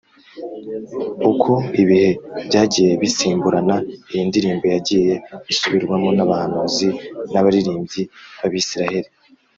uko ibihe byagiye bisimburana iyi ndirimbo yagiye isubirwamo n’abahanuzi n’abaririmbyi b’abisiraheli,